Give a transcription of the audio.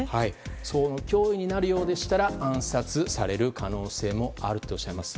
その脅威になるようでしたら暗殺される可能性もあるとおっしゃいます。